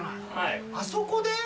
あそこで？